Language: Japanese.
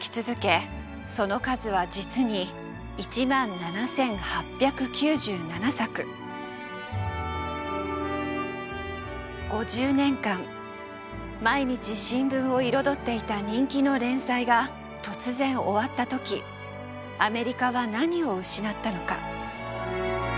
その数は実に５０年間毎日新聞を彩っていた人気の連載が突然終わった時アメリカは何を失ったのか。